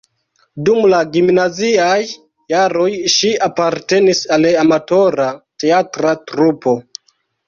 Dum la gimnaziaj jaroj ŝi apartenis al amatora teatra trupo.